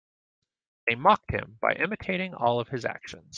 They mocked him by imitating all of his actions.